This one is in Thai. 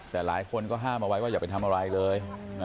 แต่หลายคนก็ห้ามเอาไว้ว่าอย่าไปทำอะไรเลย